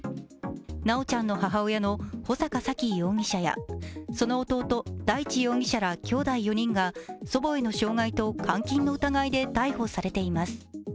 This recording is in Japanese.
修ちゃんの母親の穂坂沙喜容疑者やその弟・大地容疑者らきょうだい４人が祖母への傷害と監禁の疑いで逮捕されています。